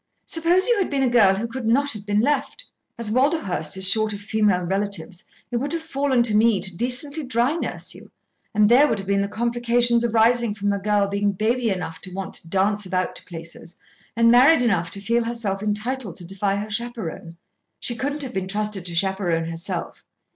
Suppose you had been a girl who could not have been left. As Walderhurst is short of female relatives, it would have fallen to me to decently dry nurse you. And there would have been the complications arising from a girl being baby enough to want to dance about to places, and married enough to feel herself entitled to defy her chaperone; she couldn't have been trusted to chaperone herself.